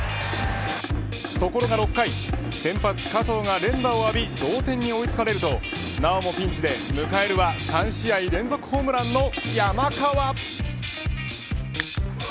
ところが６回先発加藤が連打を浴び同点に追いつかれるとなおもピンチで迎えるは３試合連続ホームランの山川。